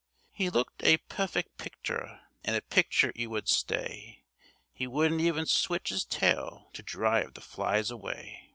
'E looked a puffeck pictur, and a pictur 'e would stay, 'E wouldn't even switch 'is tail to drive the flies away.